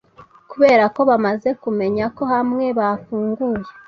kubera ko bamaze kumenya ko hamwe bafunguye